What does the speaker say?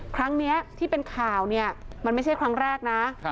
ครั้งนี้ที่เป็นข่าวเนี่ยมันไม่ใช่ครั้งแรกนะ